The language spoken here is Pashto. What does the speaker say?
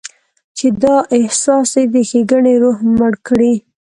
چې دا احساس دې د ښېګڼې روح مړ کړي.